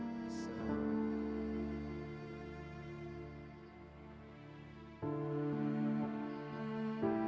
apa yang kamu bilang ada di kamu